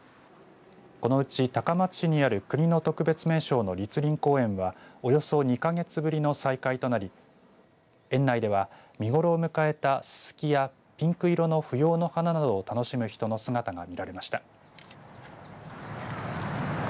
このうち、高松市にある国の特別名勝の栗林公園はおよそ２か月ぶりの再開となり園内では見頃を迎えたススキやピンク色のフヨウの花などを楽しむ人の姿が見られました。